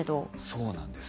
そうなんです。